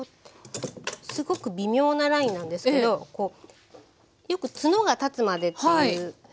すごく微妙なラインなんですけどよくツノが立つまでっていう。